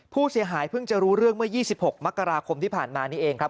ผู้เสียหายเพิ่งจะรู้เรื่องเมื่อ๒๖มกราคมที่ผ่านมานี่เองครับ